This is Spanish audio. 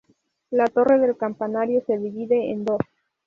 La torre del campanario se divide en dos.